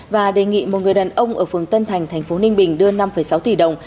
và đề nghị một người đàn ông ở phường tân thành thành phố ninh bình đưa năm sáu tỷ đồng